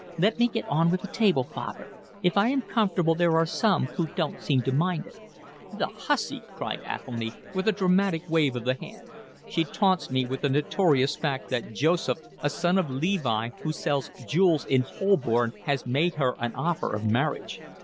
"Let me get on with the table, father. If I am comfortable there are some who don't seem to mind it." "The hussy!" cried Athelny, with a dramatic wave of the hand. "She taunts me with the notorious fact that Joseph, a son of Levi who sells jewels in Holborn, has made her an offer of marriage."